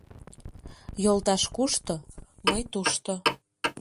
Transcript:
Йолташ кушто, мый тушто.